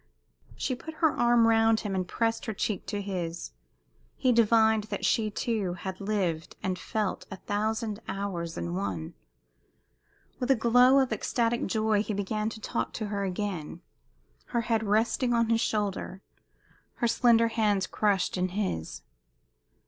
She put her arm round him and pressed her cheek to his. He divined that she, too, had lived and felt a thousand hours in one. With a glow of ecstatic joy he began to talk to her again, her head resting on his shoulder, her slender hands crushed in his.